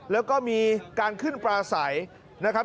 แล้วก็มีการขึ้นปลาใสนะครับ